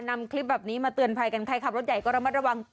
นำคลิปแบบนี้มาเตือนภัยกันใครขับรถใหญ่ก็ระมัดระวัง